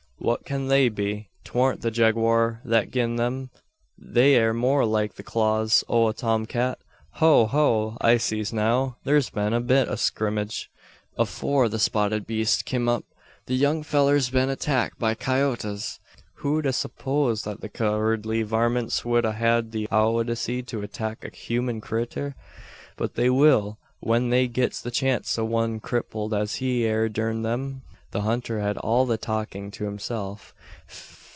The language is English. What kin they be? 'Twarnt the jegwur that gin them. They air more like the claws o' a tom cat. Ho, ho! I sees now. Thur's been a bit o' a skrimmage afore the spotted beest kim up. The young fellur's been attakted by coyoats! Who'd a surposed that the cowardly varmints would a had the owdacity to attakt a human critter? But they will, when they gits the chance o' one krippled as he air durn 'em!" The hunter had all the talking to himself.